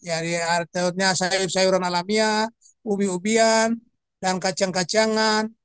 artinya sayuran alamiah ubi ubian dan kacang kacangan